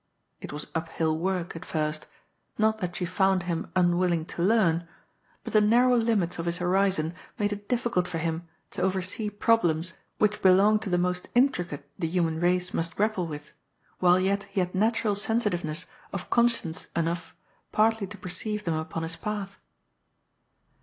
It was up hill work, at first, not that she found him unwilling to learn, but the narrow limits of his horizon made it difficult for him to oyersee problems which belong to the most intricate the human race must grapple with, while yet he had natural sensitiyeness of conscience enough partly to perceive them upon his path.